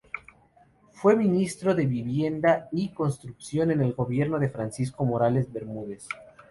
Fue Ministro de Vivienda y Construcción en el gobierno de Francisco Morales Bermúdez.